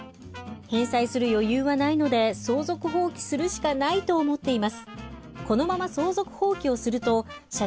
返済する余裕はないので相続放棄するしかないと思っています